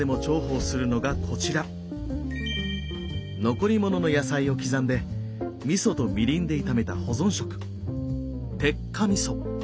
残り物の野菜を刻んでみそとみりんで炒めた保存食鉄火みそ。